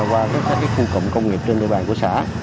qua các khu cụm công nghiệp trên địa bàn của xã